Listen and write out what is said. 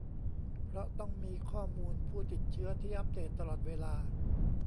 เพราะต้องมีข้อมูลผู้ติดเชื้อที่อัปเดตตลอดเวลา